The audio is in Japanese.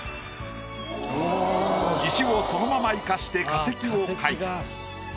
石をそのまま活かして化石を描いた。